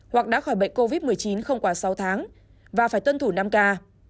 hoặc đã khỏi bệnh covid một mươi chín không quá sáu tháng và phải tuân thủ năm ca